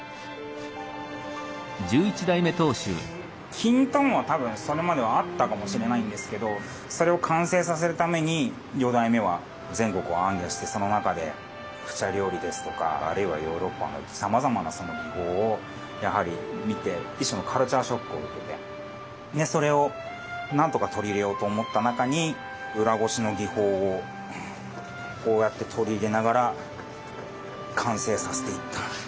きんとんは多分それまでもあったかもしれないんですけどそれを完成させるために４代目は全国を行脚してその中で普茶料理ですとかあるいはヨーロッパのさまざまな技法を見て一種のカルチャーショックを受けてそれをなんとか取り入れようと思った中に裏ごしの技法をこうやって取り入れながら完成させていった。